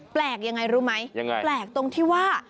แปลกยังไงรู้ไหมยังไงแปลกตรงที่ว่า